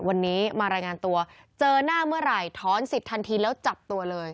วันนี้มารายงานตัวเจอหน้าเมื่อไหร่ถอนสิทธิ์ทันทีแล้วจับตัวเลย